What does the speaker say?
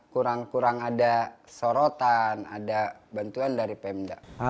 kurang kurang ada sorotan ada bantuan dari pemda